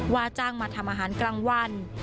ว่าจ้างมาทำอาหารกลางวัน